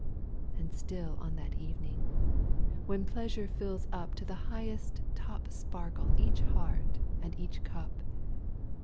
And still on that evening, when pleasure fills up ID To the highest top sparkle each heart and each cup.